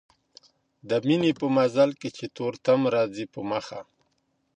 د ميني په مزل کي چي تور تم راځي په مخه